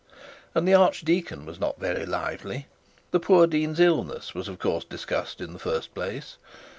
And the archdeacon was not very lively. The poor dean's illness was of course discussed in the first place.